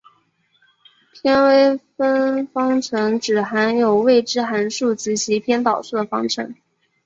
偏微分方程指含有未知函数及其偏导数的方程。